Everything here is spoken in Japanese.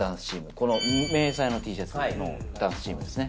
この迷彩のＴシャツのダンスチームですね。